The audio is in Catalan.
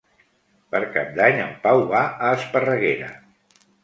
Per Cap d'Any en Pau va a Esparreguera.